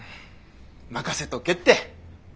任せとけって。